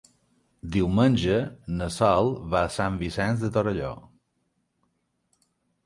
Diumenge na Sol va a Sant Vicenç de Torelló.